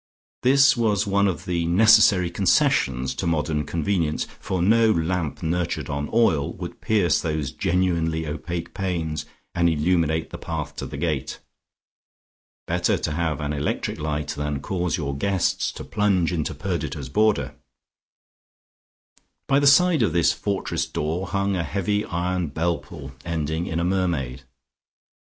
This was one of the necessary concessions to modern convenience, for no lamp nurtured on oil would pierce those genuinely opaque panes, and illuminate the path to the gate. Better to have an electric light than cause your guests to plunge into Perdita's border. By the side of this fortress door hung a heavy iron bell pull, ending in a mermaid.